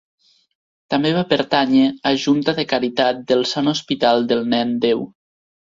També va pertànyer a Junta de caritat del Sant Hospital del Nen Déu.